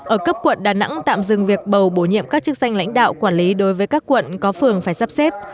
ở cấp quận đà nẵng tạm dừng việc bầu bổ nhiệm các chức danh lãnh đạo quản lý đối với các quận có phường phải sắp xếp